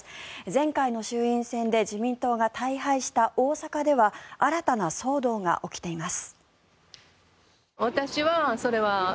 前回の衆院選で自民党が大敗した大阪では新たな騒動が起きています。